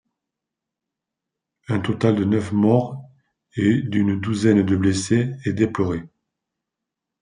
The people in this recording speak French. Un total de neuf morts et d'une douzaine de blessés est déploré.